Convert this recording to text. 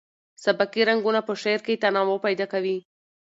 سبکي رنګونه په شعر کې تنوع پیدا کوي.